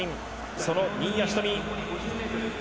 その新谷仁美